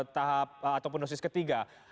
tahap ataupun dosis ketiga